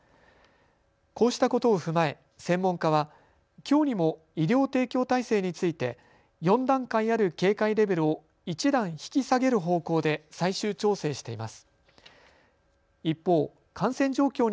こうしたことを踏まえ専門家はきょうにも医療提供体制について４段階ある警戒レベルを１段引き下げる方向で最終調整しています。